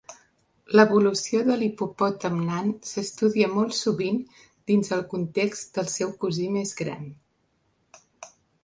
L'evolució de l'hipopòtam nan s'estudia molt sovint dins el context del seu cosí més gran.